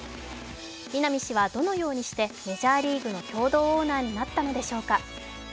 南氏はどのようにしてメジャーリーグの共同オーナーになったのでしょうか。